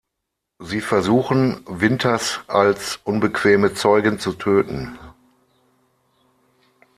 Sie versuchen, Winters als unbequeme Zeugin zu töten.